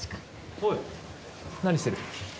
おい、何してる？